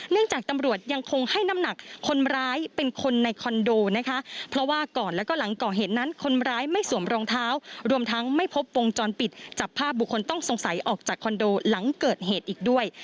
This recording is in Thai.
จากตำรวจยังคงให้น้ำหนักคนร้ายเป็นคนในคอนโดนะคะเพราะว่าก่อนแล้วก็หลังก่อเหตุนั้นคนร้ายไม่สวมรองเท้ารวมทั้งไม่พบวงจรปิดจับภาพบุคคลต้องสงสัยออกจากคอนโดหลังเกิดเหตุอีกด้วย